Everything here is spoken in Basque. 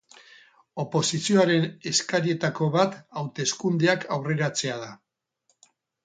Oposizioaren eskarietako bat hauteskundeak aurreratzea da.